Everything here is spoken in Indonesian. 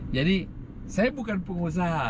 jadi saya bukan pengusaha